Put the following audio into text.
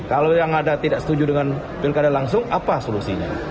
kalau yang ada tidak setuju dengan pilkada langsung apa solusinya